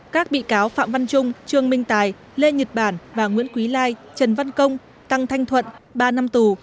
các bị cáo phạm văn trung trương minh tài lê nhật bản và nguyễn quý lai trần văn công tăng thanh thuận ba năm tù